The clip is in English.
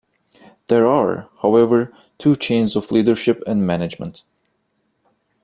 There are, however, two chains of leadership and management.